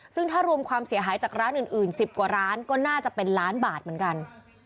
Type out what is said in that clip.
ซึ่งถ้ารวมความเสียหายจากร้านอื่น๑๐กว่าร้านก็น่าจะเป็นล้านบาทเหมือนกัน